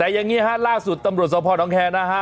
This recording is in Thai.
แต่อย่างนี้ฮะล่าสุดตำรวจสภน้องแคร์นะฮะ